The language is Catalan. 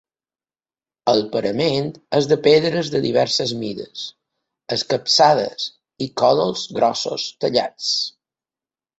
El parament és de pedres de diverses mides, escapçades, i còdols grossos tallats.